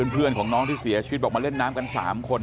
เพื่อนของน้องที่เสียชีวิตบอกมาเล่นน้ำกัน๓คน